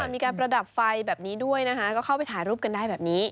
มีการประดับไฟแบบนี้ด้วยนะคะก็เข้าไปถ่ายรูปกันได้แบบนี้